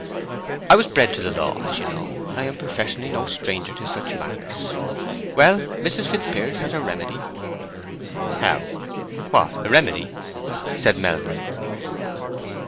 I was bred to the law, as you know, and am professionally no stranger to such matters. Well, Mrs. Fitzpiers has her remedy." "How—what—a remedy?" said Melbury.